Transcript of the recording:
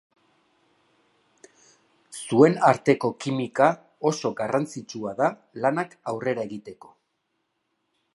Zuen arteko kimika oso garrantzitsua da lanak aurrera egiteko.